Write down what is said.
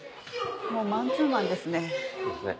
もうマンツーマンですね。